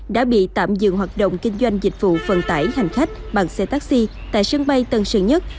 đã bị tạm dừng hoạt động kinh doanh dịch vụ vận tải hành khách bằng xe taxi tại sân bay tân sơn nhất